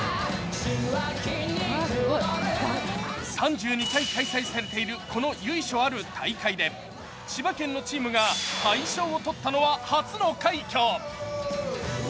３２回開催されているこの由緒ある大会で、千葉県のチームが大賞を取ったのは初の快挙。